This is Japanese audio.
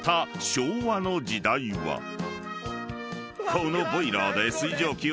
［このボイラーで］